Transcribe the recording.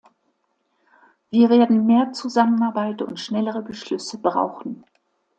Wir werden mehr Zusammenarbeit und schnellere Beschlüsse brauchen.